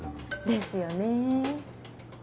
ですよね。